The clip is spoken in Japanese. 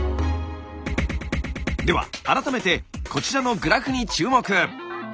では改めてこちらのグラフに注目！